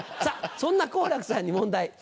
さぁそんな好楽さんに問題。